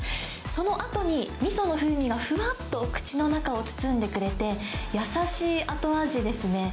そのあとに、みその風味がふわっと口の中を包んでくれて、優しい後味ですね。